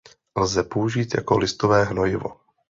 Lze použít jako listové hnojivo.